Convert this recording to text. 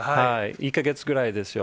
１か月くらいですよ。